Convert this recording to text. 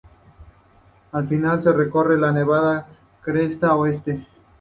Al final se recorre la nevada cresta oeste.